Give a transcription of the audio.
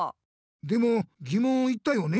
でもぎもんを言ったよね？